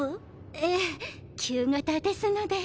ええ旧型ですので。